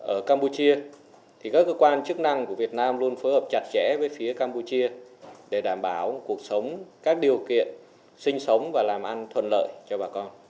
ở campuchia các cơ quan chức năng của việt nam luôn phối hợp chặt chẽ với phía campuchia để đảm bảo cuộc sống các điều kiện sinh sống và làm ăn thuận lợi cho bà con